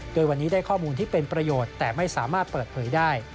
โดยวันนี้ได้ข้อมูลที่เป็นประโยชน์แต่ไม่สามารถเปิดเผยได้